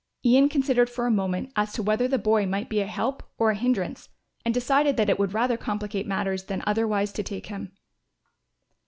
Ian considered for a moment as to whether the boy might be a help or a hindrance and decided that it would rather complicate matters than otherwise to take him.